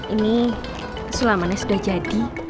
ini sulamannya sudah jadi